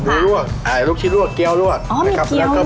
มีทั้งซุกี้หมูซุกี้ไก่ซุกี้รวมซุกี้ทะเลนะครับ